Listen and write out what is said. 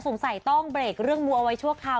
สงสัยต้องเบรกเรื่องงูเอาไว้ชั่วคราว